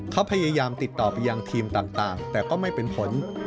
เขาพยายามติดต่อไปยังทีมต่างแต่ก็ไม่เป็นผล